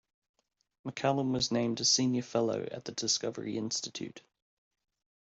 McCallum was named a senior fellow at the Discovery Institute.